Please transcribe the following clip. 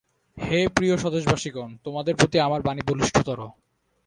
হে প্রিয় স্বদেশবাসিগণ! তোমাদের প্রতি আমার বাণী বলিষ্ঠতর।